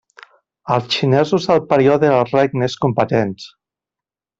Els xinesos del Període dels Regnes Combatents.